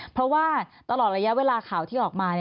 เพราะว่าตลอดระยะเวลาข่าวที่ออกมา